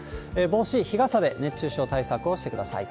帽子、日傘で熱中症対策をしてください。